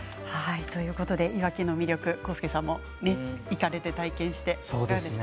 いわきの魅力、浩介さんも行かれて体験していかがでしたか。